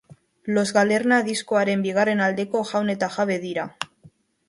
Los Galerna diskoaren bigarren aldeko jaun eta jabe dira.